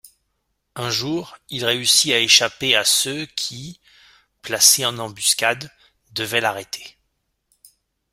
Un jour, il réussit à échapper à ceux qui, placés en embuscade, devaient l'arrêter.